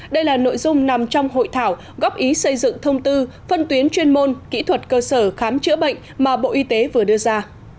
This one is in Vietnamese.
đây là nội dung nằm trong hội thảo góp ý xây dựng thông tư phân tuyến chuyên môn kỹ thuật cơ sở khám chữa bệnh mà bộ y tế vừa đưa ra